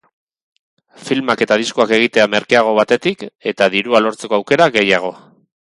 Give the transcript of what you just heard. Filmak eta diskoak egitea merkeago batetik eta dirua lortzeko aukera gehiago.